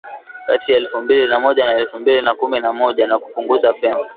kati ya elfu mbili na moja na elfu mbili na kumi na moja na kupunguza pengo